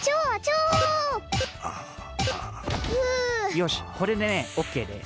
よしこれでねオッケーです！